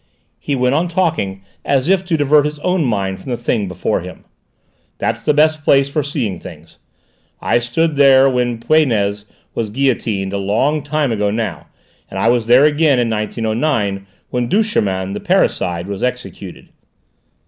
He went on talking as if to divert his own mind from the thing before him. "That's the best place for seeing things: I stood there when Peugnez was guillotined, a long time ago now, and I was there again in 1909 when Duchémin, the parricide, was executed."